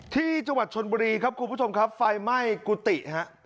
ที่จังหวัดชนบุรีครับคุณผู้ชมครับไฟไหม้กุฏิฮะ